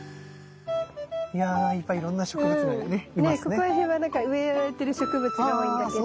ここら辺はなんか植えられてる植物が多いんだけど。